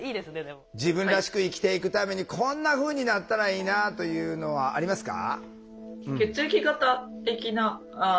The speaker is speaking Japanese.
自分らしく生きていくためにこんなふうになったらいいなというのはありますか？